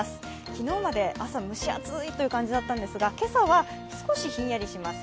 昨日まで朝、蒸し暑いという感じだったんですが、今朝は少しひんやりとします。